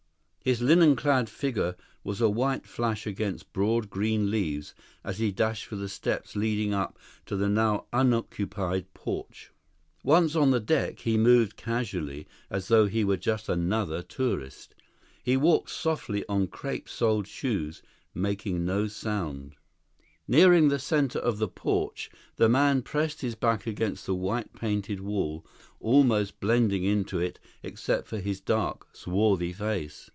His linen clad figure was a white flash against broad green leaves as he dashed for the steps leading up to the now unoccupied porch. Once on the deck, he moved casually, as though he were just another tourist. He walked softly on crepe soled shoes, making not a sound. 3 Nearing the center of the porch, the man pressed his back against the white painted wall, almost blending into it except for his dark, swarthy face.